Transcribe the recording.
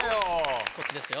こっちですよ。